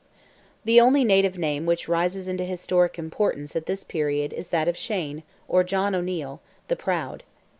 The only native name which rises into historic importance at this period is that of Shane, or John O'Neil, "the Proud."